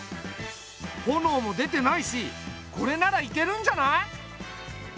炎も出てないしこれならいけるんじゃない？